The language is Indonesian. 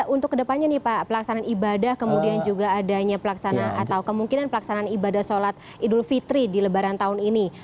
untuk kedepannya nih pak pelaksanaan ibadah kemudian juga adanya pelaksanaan atau kemungkinan pelaksanaan ibadah sholat idul fitri di lebaran tahun ini